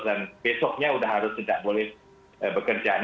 dan besoknya sudah harus tidak boleh bekerja